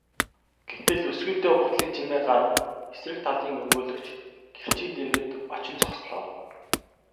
Гэтэл өсгийтэй гутлын чимээ гаран эсрэг талын өмгөөлөгч гэрчийн дэргэд очин зогслоо.